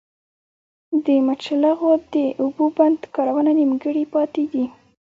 د مچلغو د اوبو بند کارونه نيمګړي پاتې دي